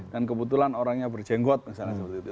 dan kebetulan orangnya berjenggot misalnya seperti itu